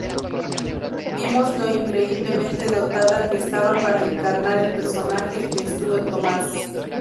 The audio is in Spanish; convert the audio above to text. Vimos lo increíblemente dotada que estaba para encarnar el personaje de Sue Thomas.